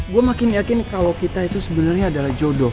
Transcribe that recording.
gue makin yakin kalo kita itu sebenernya adalah jodoh